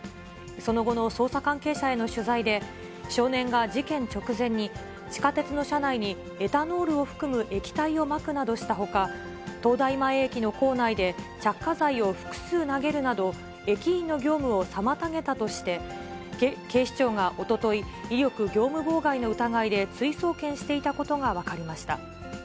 その後の捜査関係者への取材で、少年が事件直前に、地下鉄の車内に、エタノールを含む液体をまくなどしたほか、東大前駅の構内で、着火剤を複数投げるなど、駅員の業務を妨げたとして、警視庁がおととい、威力業務妨害の疑いで追送検していたことが分かりました。